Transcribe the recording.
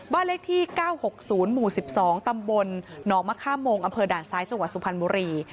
บ้านเลขที่๙๖๐หมู่๑๒ตำบลหนองมะค่าโมงอำเภอด่านซ้ายจังหวัดสุพรรณบุรี